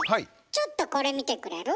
ちょっとこれ見てくれる？